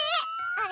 あれ？